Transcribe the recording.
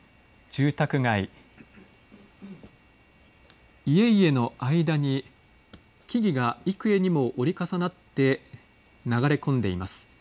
住宅街、家々の間に、木々が幾重にも折り重なって流れ込んでいます。